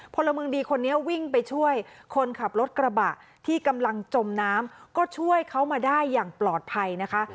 พลเมืองดีคนนี้วิ่งไปช่วยคนขับรถกระบะที่กำลังจมน้ำก็ช่วยเขามาได้อย่างปลอดภัยนะคะ